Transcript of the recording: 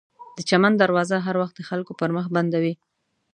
د چمن دروازه هر وخت د خلکو پر مخ بنده وي.